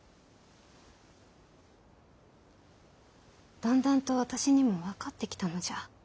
だんだんと私にも分かってきたのじゃ。